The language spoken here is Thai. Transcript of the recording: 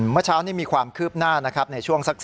เมื่อเช้านี้มีความคืบหน้าในช่วงสัก๑๐๓๐